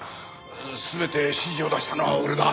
全て指示を出したのは俺だ。